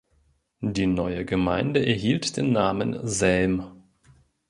Die neue Gemeinde erhielt den Namen Selm.